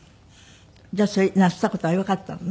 じゃあそれなすった事はよかったのね。